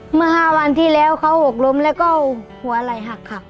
เมื่อ๕วันที่แล้วเขาหกล้มแล้วก็หัวไหล่หักค่ะ